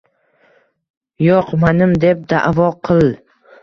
Yo’q, manim, deb da’vo qil.